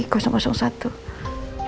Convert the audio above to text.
kuruma sakit sejahtera di kamar vivi api satu